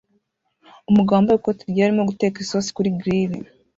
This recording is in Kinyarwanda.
Umugabo wambaye ikote ryera arimo guteka isosi kuri grill